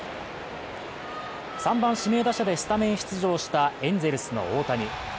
３番・指名打者でスタメン出場したエンゼルスの大谷。